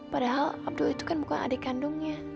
padahal abdul itu kan bukan adik kandungnya